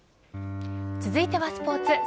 続いてはスポーツ。